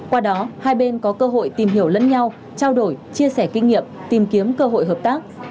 qua đó hai bên có cơ hội tìm hiểu lẫn nhau trao đổi chia sẻ kinh nghiệm tìm kiếm cơ hội hợp tác